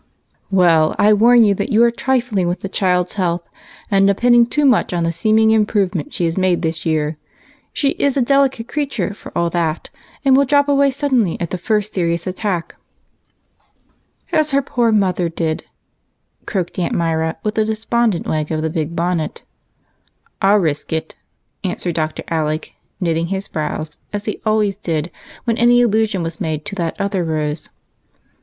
" Well, I warn you that you are trifling with the child's health, and depending too much on the seeming improvement she has made this year. She is a delicate creature for all that, and will drop away suddenly at the first serious attack, as her poor mother did," croaked Aunt Myra, with a despondent wag of the big bonnet. 11 p 242 EIGHT COUSINS. " I '11 risk it," answered Dr. Alec, knitting his brows, as he always did when any allusion was made to that other Rose.